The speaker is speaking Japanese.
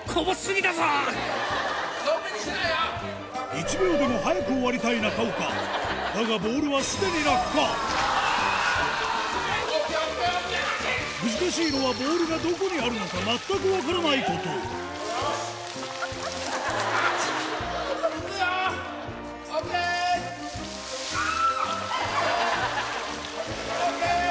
１秒でも早く終わりたい中岡だがボールはすでに落下難しいのはボールがどこにあるのか全く分からないこと熱い！ＯＫ！キャ！